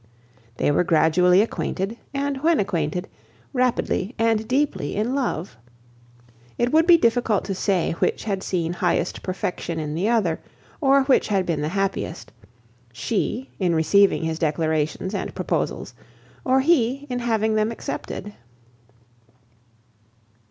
They were gradually acquainted, and when acquainted, rapidly and deeply in love. It would be difficult to say which had seen highest perfection in the other, or which had been the happiest: she, in receiving his declarations and proposals, or he in having them accepted.